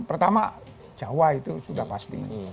pertama jawa itu sudah pasti